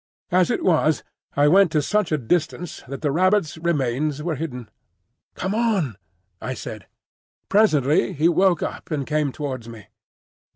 As it was, I went to such a distance that the rabbit's remains were hidden. "Come on!" I said. Presently he woke up and came towards me.